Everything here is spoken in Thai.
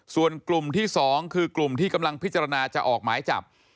ส่วนกลุ่มที่๒คือกลุ่มที่กำลังพิจารณาจะออกหมายจับ